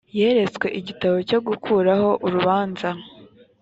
yeretswe igitambo cyo gukuraho urubanza